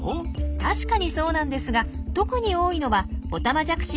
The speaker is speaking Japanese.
確かにそうなんですが特に多いのはオタマジャクシがいた池の周り。